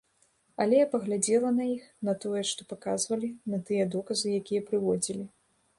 Але я паглядзела на іх, на тое, што паказвалі, на тыя доказы, якія прыводзілі.